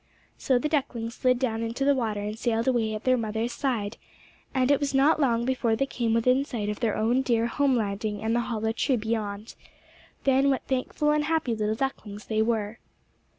So the ducklings slid down into the water and sailed away at their mother's side, and it was not long before they came within sight of their own dear home landing and the hollow tree beyond. Then what thankful and happy little ducklings they were!